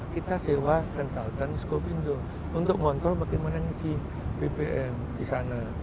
kita sewa konsultan skopindo untuk ngontrol bagaimana ngisi bbm di sana